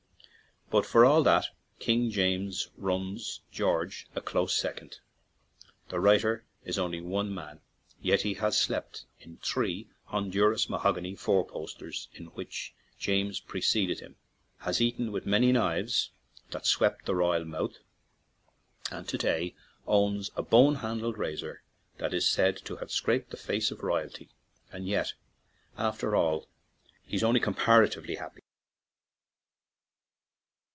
But for all that, King James runs George a close second. The writer is only one man, yet he has slept in three Honduras mahogany four 7 ON AN IRISH JAUNTING CAR posters in which James preceded him, has eaten with many knives that swept the royal mouth, and to day owns a bone handled razor that is said to have scraped the face of royalty; and yet, after all, he is only comparatively happy!